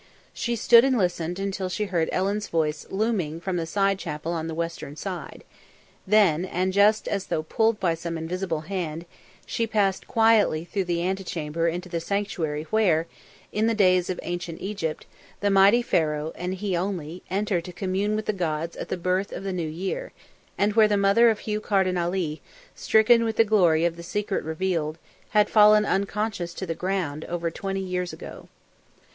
She stood and listened until she heard Ellen's voice looming from the side chapel on the western side, then, and just as though pulled by some invisible hand, she passed quietly through the antechamber into the sanctuary where, in the days of Ancient Egypt, the mighty Pharaoh, and he only, entered to commune with the gods at the birth of the new year; and where the mother of Hugh Carden Ali, stricken with the glory of the secret revealed, had fallen unconscious to the ground, over twenty years ago.